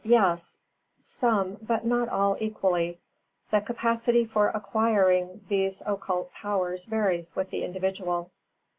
Yes, some but not all equally; the capacity for acquiring these occult powers varies with the individual.